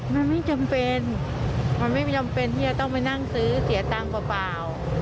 มันไม่จำเป็นมันไม่จำเป็นที่จะต้องไปนั่งซื้อเสียตังค์เปล่า